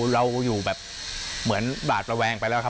เราอยู่แบบเหมือนบาดระแวงไปแล้วครับ